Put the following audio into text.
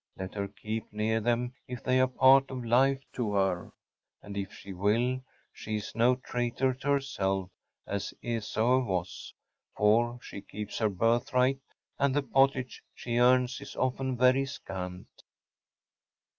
Let her keep near them if they are a part of life to her, and if she will. She is no traitor to herself, as Esau was; for she keeps her birthright and the pottage she earns is often very scant.